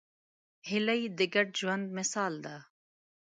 هیلۍ د ګډ ژوند مثال ده